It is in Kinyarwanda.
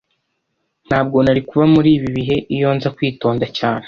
Ntabwo nari kuba muri ibi bihe iyo nza kwitonda cyane.